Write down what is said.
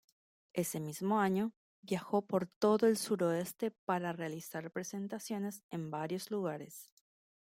Ese mismo año, viajó por todo el suroeste para realizar presentaciones en varios lugares.